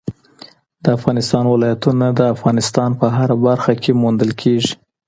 د افغانستان ولايتونه د افغانستان په هره برخه کې موندل کېږي.